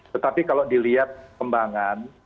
tetapi kalau dilihat kembangan